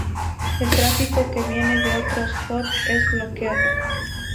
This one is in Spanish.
El tráfico que viene de otros host es bloqueado.